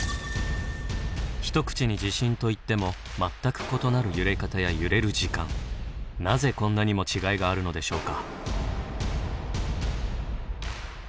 一口に地震と言っても全く異なる揺れ方や揺れる時間なぜこんなにも違いがあるのでしょうか？